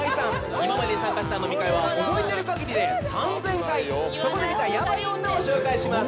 今まで参加した飲み会は覚えてるかぎりで３０００回そこで見たヤバイ女を紹介します